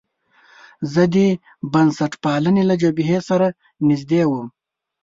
زه د بنسټپالنې له جبهې سره نژدې وم.